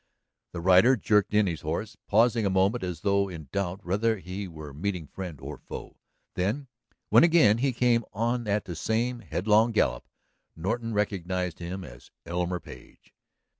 The rider jerked in his horse, pausing a moment as though in doubt whether he were meeting friend or foe. Then, when again he came on at the same headlong gallop, Norton recognized him. It was Elmer Page.